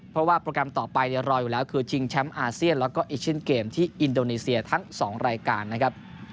เพราะว่าโปรแกรมต่อไปรออยู่แล้วคือชิงแชมป์อาเซียนแล้วก็เอเชียนเกมที่อินโดนีเซียทั้ง๒รายการนะครับ